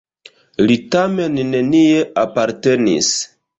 Li tamen nenie apartenis.